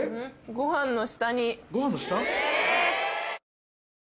ご飯の下？